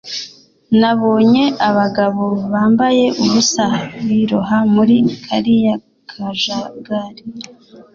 Nabonye abagabo bambaye ubusa biroha muri kariya kajagari